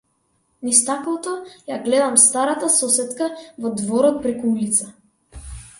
Низ стаклото ја гледам старата сосетка во дворот преку улица.